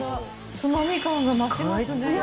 ツマミ感が増しますね。